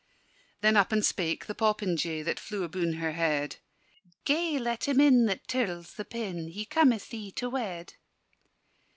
Then up and spake the popinjay That flew abune her head: "Gae let him in that tirls the pin: He cometh thee to wed."